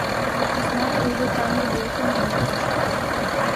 Поснак тудо тамле булкым моктыш.